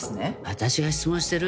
私が質問してる。